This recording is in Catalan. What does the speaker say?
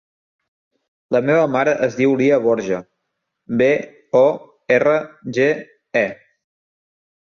La meva mare es diu Lya Borge: be, o, erra, ge, e.